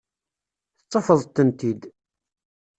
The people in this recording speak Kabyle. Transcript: Tettafeḍ-tent-id.